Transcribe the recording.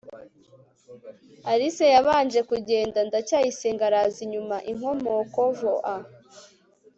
alice yabanje kugenda, ndacyayisenga araza inyuma. (inkomoko_voa